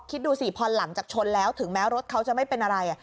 คิดดูสิพอหลังจากชนแล้วถึงแม้รถเขาจะไม่เป็นอะไร